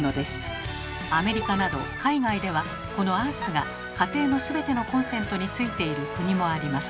アメリカなど海外ではこのアースが家庭の全てのコンセントについている国もあります。